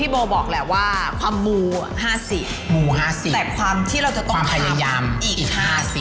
บอกแหละว่าความมูล๕๐แต่ความที่เราจะต้องทำอีก๕๐